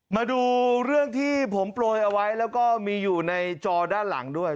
มาดูเรื่องที่ผมโปรยเอาไว้แล้วก็มีอยู่ในจอด้านหลังด้วย